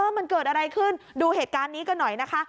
มันเกิดอะไรขึ้นดูเหตุการณ์นี้กันหน่อยนะคะ